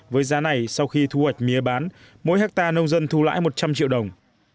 với giá này sau khi thu hoạch mía bán mỗi hectare nông dân thu lãi một trăm linh triệu đồng